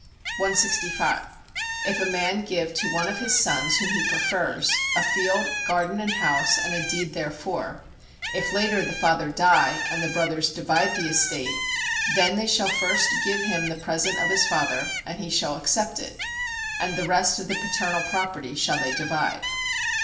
165. If a man give to one of his sons whom he prefers, a field, garden and house and a deed therefor: if later the father die, and the brothers divide [the estate], then they shall first give him the present of his father, and he shall accept it; and the rest of the paternal property shall they divide.